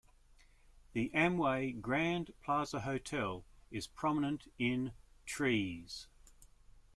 The Amway Grand Plaza Hotel is prominent in "Trees".